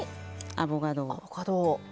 アボカドを。